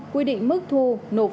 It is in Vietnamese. quy định mức thu nộp